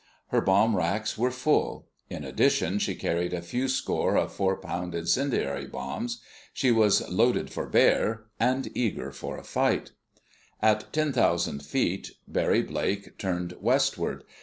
Her bomb racks were full. In addition, she carried a few score of four pound incendiary bombs. She was "loaded for bear," and eager for a fight. At 10,000 feet, Barry Blake turned westward.